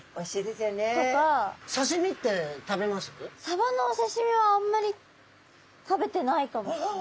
サバのお刺身はあんまり食べてないかも。